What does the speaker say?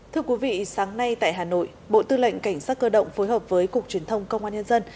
thưa quý vị sáng nay tại hà nội bộ tư lệnh cảnh sát cơ động phối hợp với cục truyền thông công an nhân dân